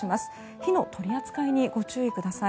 火の取り扱いにご注意ください。